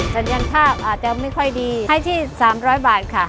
สัญญาณภาพอาจจะไม่ค่อยดีให้ที่๓๐๐บาทค่ะ